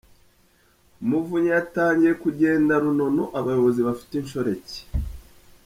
Umuvunyi yatangiye kugenda runono abayobozi bafite inshoreke